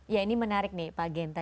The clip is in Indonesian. ya ini menarik nih pak genta